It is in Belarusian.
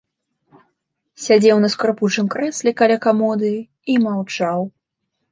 Сядзеў на скрыпучым крэсле каля камоды і маўчаў.